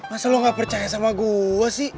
masa lu gak percaya sama gua sih